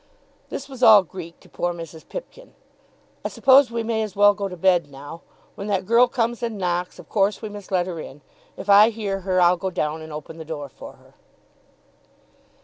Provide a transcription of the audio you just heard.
This was all Greek to poor Mrs. Pipkin. "I suppose we may as well go to bed now. When that girl comes and knocks, of course we must let her in. If I hear her, I'll go down and open the door for her."